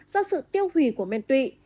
do sự tiêu hủy của men tụy